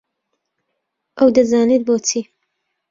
ئەو دەزانێت بۆچی.